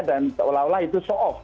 dan seolah olah itu so off